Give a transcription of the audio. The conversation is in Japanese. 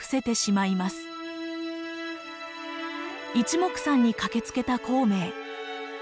いちもくさんに駆けつけた孔明。